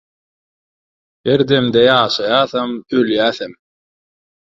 Her demde ýaşaýasam, ölýäsem.